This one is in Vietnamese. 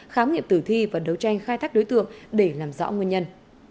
khám nghiệm tử thi và đấu tranh khai thác đối tượng để làm rõ nguyên nhân